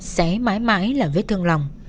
sẽ mãi mãi là vết thương lòng